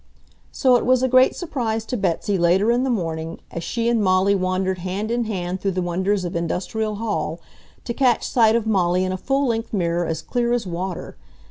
So it was a great surprise to Betsy later in the morning, as she and Molly wandered hand in hand through the wonders of Industrial Hall, to catch sight of Molly in a full length mirror as clear as water.